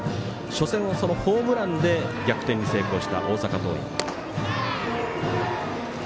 初戦をそのホームランで逆転に成功した大阪桐蔭。